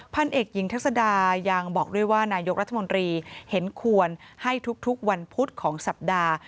พันเอกหญิงทักษดายังบอกด้วยว่านายกรัฐมนตรีเห็นควรให้ทุกวันพุธของสัปดาห์